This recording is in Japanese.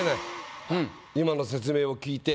今の説明を聞いて。